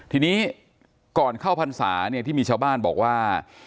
ทีนี้ก่อนเข้าพรรษาเนี่ยที่มีชาวบ้านบอกว่า